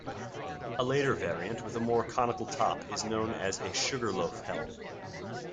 A later variant with a more conical top is known as a 'sugarloaf helm'.